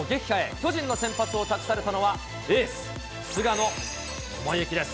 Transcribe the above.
巨人の先発を託されたのは、エース、菅野智之です。